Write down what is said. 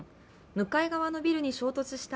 向かい側のビルに衝突した